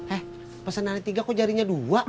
eh pesenannya tiga kok jarinya dua